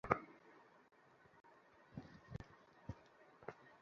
ওরা সবাই অবাধ্যতা করছে, তাই জলদি করে তাদের সাথে পরিচয় করিয়ে দিচ্ছি।